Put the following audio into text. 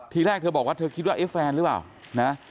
ทีแรกเธอบอกว่าเธอคิดว่าเอ๊ะแฟนหรือเปล่านะ